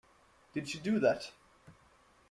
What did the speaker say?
Did she do that?